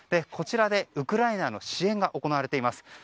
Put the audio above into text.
こちらでウクライナの支援が行われています。